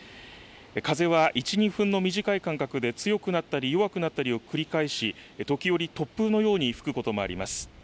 風は１、２分の短い間隔で強くなったり弱くなったりを繰り返し、時折突風のように吹くこともあります。